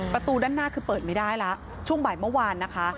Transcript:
ประตูด้านหน้าคือเปิดไม่ได้แล้วช่วงบ่ายเมื่อวานนะคะ